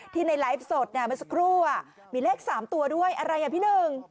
ที่ในไลฟ์สดน่ะเมื่อสักครู่อ่ะมีเลขสามตัวด้วยอะไรอ่ะพี่หนึ่ง